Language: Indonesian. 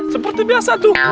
seperti biasa tuh